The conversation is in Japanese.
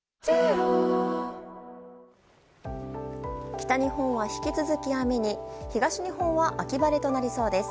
北日本は引き続き雨に東日本は秋晴れとなりそうです。